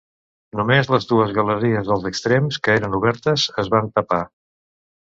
Només les dues galeries dels extrems, que eren obertes, es van tapar.